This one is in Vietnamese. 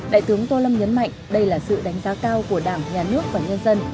đại tướng tô lâm nhấn mạnh đây là sự đánh giá cao của đảng nhà nước và nhân dân